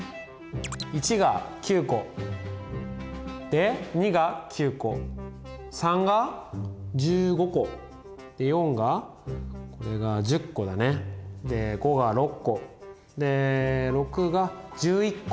１が９個で２が９個３が１５個で４がこれが１０個だねで５が６個で６が１１個。